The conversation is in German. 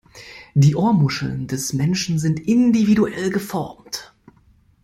Die Ohrmuscheln des Menschen sind individuell geformt.